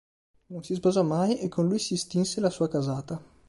Non si sposò mai e con lui si estinse la sua casata.